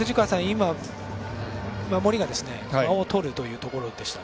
今、守りが間をとるというところ。